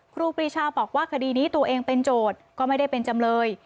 ครูปรีชาบอกว่าคดีนี้ตัวเองเป็นโจทย์ก็ไม่ได้เป็นจำเลย